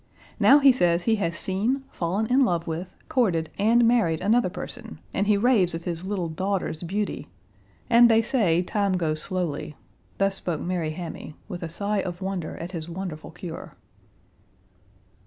Now he says he has seen, fallen in love with, courted, and married another person, and he raves of his little daughter's beauty. And they say time goes slowly" thus spoke Mary Hammy, with a sigh of wonder at his wonderful cure.